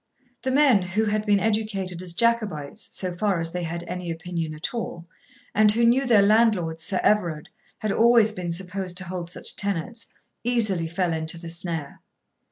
The men, who had been educated as Jacobites, so far as they had any opinion at all, and who knew their landlord, Sir Everard, had always been supposed to hold such tenets, easily fell into the snare.